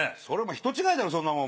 人違いだろそんなもん。